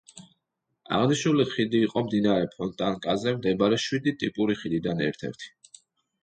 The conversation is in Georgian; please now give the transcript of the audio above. აღნიშნული ხიდი იყო მდინარე ფონტანკაზე მდებარე შვიდი ტიპური ხიდიდან ერთ-ერთი.